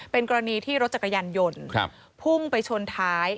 เป็นกรณีที่รถจักรยานยนต์พุ่งไปชนท้าย